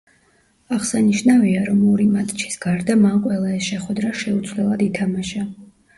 აღსანიშნავია, რომ ორი მატჩის გარდა, მან ყველა ეს შეხვედრა შეუცვლელად ითამაშა.